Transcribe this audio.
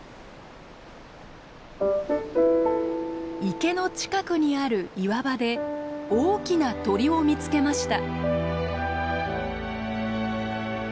池の近くにある岩場で大きな鳥を見つけました。